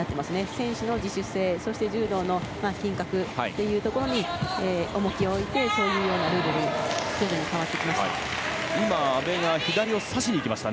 選手の自主性柔道の品格というところに重きを置いてそういうルールに変わってきました。